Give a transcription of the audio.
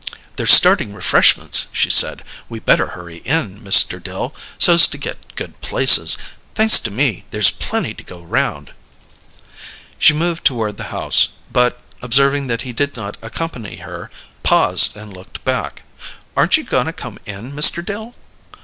"They're starting refreshments," she said. "We better hurry in, Mr. Dill, so's to get good places. Thanks to me, there's plenty to go round." She moved toward the house, but, observing that he did not accompany her, paused and looked back. "Aren't you goin' to come in, Mr. Dill?"